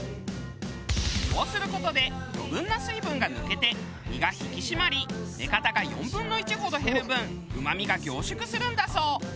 こうする事で余分な水分が抜けて身が引き締まり目方が４分の１ほど減る分うまみが凝縮するんだそう。